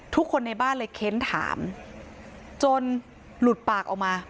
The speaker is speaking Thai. ทุกคนในบ้านเลยเค้นถามจนหลุดปากออกมา